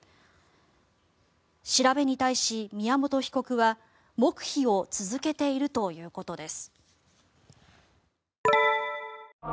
調べに対し、宮本被告は黙秘を続けているということです。